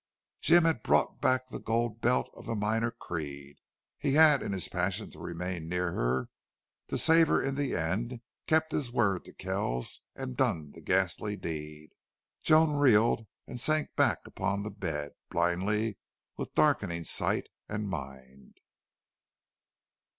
Jim had brought back the gold belt of the miner Creede. He had, in his passion to remain near her, to save her in the end, kept his word to Kells and done the ghastly deed. Joan reeled and sank back upon the bed, blindly, with darkening sight and mind.